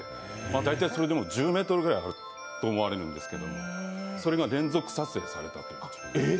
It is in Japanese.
大体それでも１０ｍぐらいあると思われるんですけどそれが連続撮影されたという。